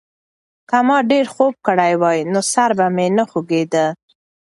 که ما ډېر خوب کړی وای، نو سر به مې نه خوږېده.